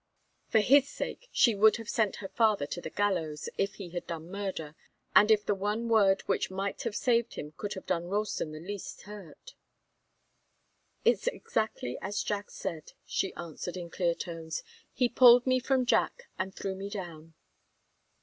For his sake, she would have sent her father to the gallows, if he had done murder, and if the one word which might have saved him could have done Ralston the least hurt. "It's exactly as Jack says," she answered, in clear tones. "He pulled me from Jack and threw me down."